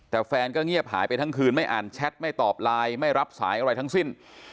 แต่แฟนก็เงียบหายไปทั้งคืนไม่อ่านแชทไม่ตอบไลน์ไม่รับสายอะไรทั้งสิ้น